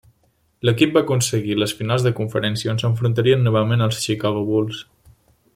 L'equip va aconseguir les finals de conferència, on s'enfrontarien novament als Chicago Bulls.